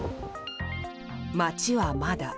街はまだ。